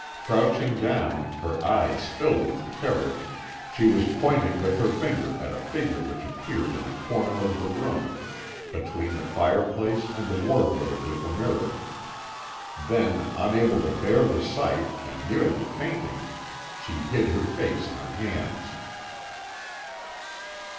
Crouching down, her eyes filled with terror, she was pointing with her finger at a figure which appeared in a corner of the room, between the fire place and the wardrobe with the mirror. Then, unable to bear the sight, and nearly fainting, she hid her face in her hands.